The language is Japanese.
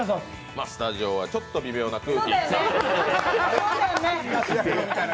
スタジオはちょっと微妙な空気にな。